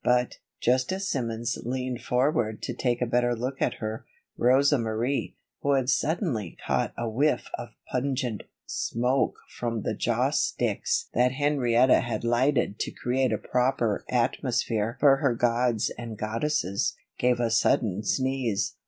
But, just as Simmons leaned forward to take a better look at her, Rosa Marie, who had suddenly caught a whiff of pungent smoke from the joss sticks that Henrietta had lighted to create a proper atmosphere for her gods and goddesses, gave a sudden sneeze.